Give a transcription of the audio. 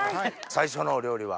最初のお料理は？